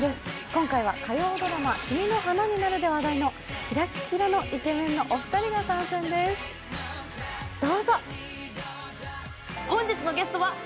今回は火曜ドラマ「君の花になる」で話題のキラッキラのイケメンのお二人が参戦です、どうぞ。